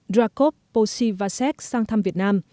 drakov posivasek sang thăm việt nam